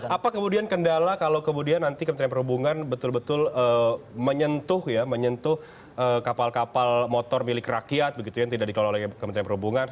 apa kemudian kendala kalau kemudian nanti kementerian perhubungan betul betul menyentuh ya menyentuh kapal kapal motor milik rakyat begitu yang tidak dikelola oleh kementerian perhubungan